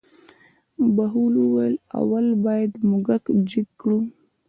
بهلول وویل: اول باید موږک جګ کړو.